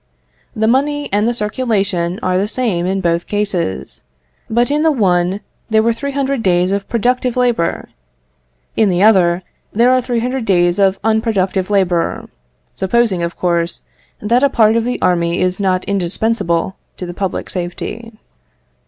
The money and the circulation are the same in both cases; but in the one there were three hundred days of productive labour, in the other there are three hundred days of unproductive labour, supposing, of course, that a part of the army is not indispensable to the public safety.